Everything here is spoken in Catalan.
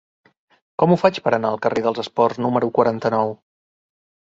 Com ho faig per anar al carrer dels Esports número quaranta-nou?